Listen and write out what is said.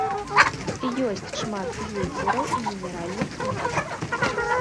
Ёсць шмат гейзераў і мінеральных крыніц.